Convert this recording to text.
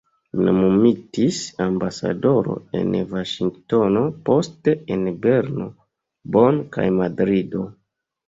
Li nomumitis ambasadoro en Vaŝingtono, poste en Berno, Bonn kaj Madrido.